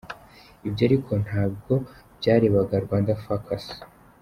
Ibyo ariko ntabwo byarebaga Rwanda Focus.